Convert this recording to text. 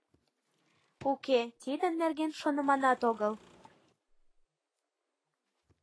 Уке, тидын нерген шоныманат огыл.